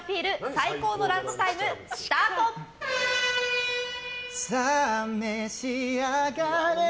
最高のランチタイム、スタート！さあ召し上がれ。